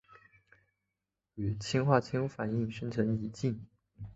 与氰化氢反应生成乙腈。